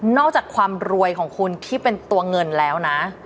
อกจากความรวยของคุณที่เป็นตัวเงินแล้วนะ